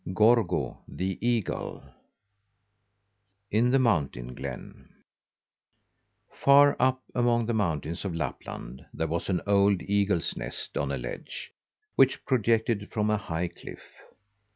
GORGO, THE EAGLE IN THE MOUNTAIN GLEN Far up among the mountains of Lapland there was an old eagle's nest on a ledge which projected from a high cliff.